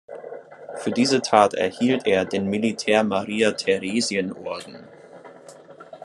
Für diese Tat erhielt er den Militär-Maria-Theresien-Orden.